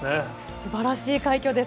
素晴らしい快挙です。